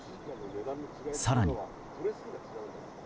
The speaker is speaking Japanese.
更に。